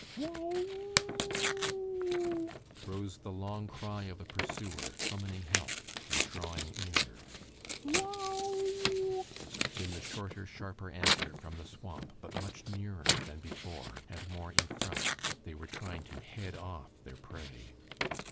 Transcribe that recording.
"Whow oo oo oo ow" rose the long cry of the pursuer, summoning help, and drawing nearer. "Wow ee wow," came the shorter, sharper answer from the swamp, but much nearer than before and more in front. They were trying to head off their prey.